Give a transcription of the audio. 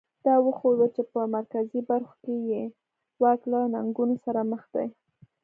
دا وښودل چې په مرکزي برخو کې یې واک له ننګونو سره مخ دی.